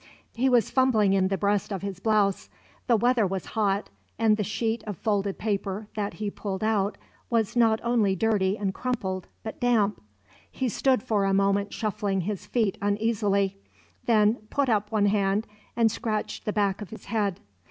He was fumbling in the breast of his blouse. The weather was hot, and the sheet of folded paper that he pulled out was not only dirty and crumpled, but damp. He stood for a moment shuffling his feet uneasily; then put up one hand and scratched the back of his head.